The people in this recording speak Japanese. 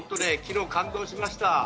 昨日は感動しました。